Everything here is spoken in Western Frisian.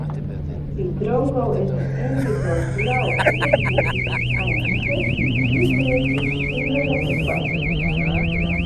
De drongo is in yndigoblau fûgeltsje mei in sturt dy't útrint yn sierlike kwastjes.